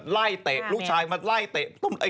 ไล่เตะลูกชายมาไล่เตะ